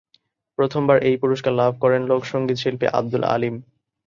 প্রথমবার এই পুরস্কার লাভ করেন লোকসঙ্গীত শিল্পী আবদুল আলীম।